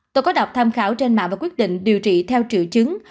tôi có đọc tham khảo trên mạng và quyết định điều trị theo triệu chứng